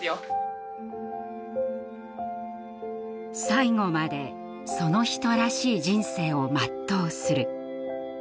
最期までその人らしい人生を全うする。